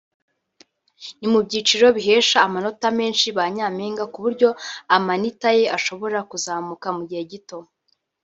ni mu byiciro bihesha amanota menshi banyampinga kuburyo amanita ye ashobora kuzamuka mu gihe gito